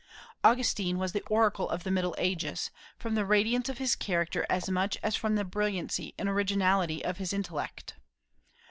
Augustine was the oracle of the Middle Ages, from the radiance of his character as much as from the brilliancy and originality of his intellect.